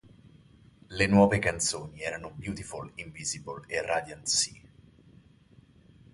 Le nuove canzoni erano "Beautiful Invisible" e "Radiant Sea".